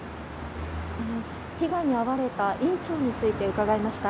被害に遭われた院長について伺いました。